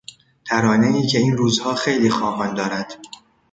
ترانهای که این روزها خیلی خواهان دارد